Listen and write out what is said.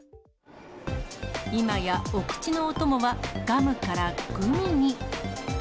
今やお口のお供はガムからグミに。